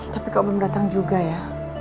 tapi kok belum datang juga ya